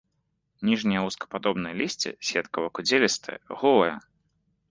Ніжняе лускападобнае лісце сеткава-кудзелістае, голае.